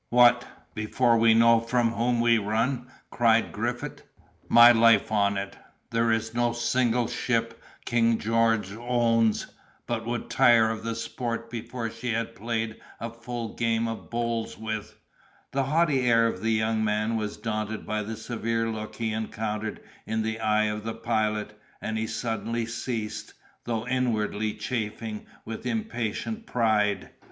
"What, before we know from whom we run!" cried Griffith; "my life on it, there is no single ship King George owns, but would tire of the sport before she had played a full game of bowls with—" The haughty air of the young man was daunted by the severe look he encountered in the eye of the Pilot, and he suddenly ceased, though inwardly chafing with impatient pride.